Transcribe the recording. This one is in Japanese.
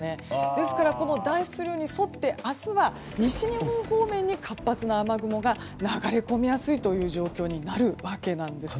ですから太平洋高気圧に沿って明日は西日本方面に活発な雨雲が流れ込みやすい状況になるわけです。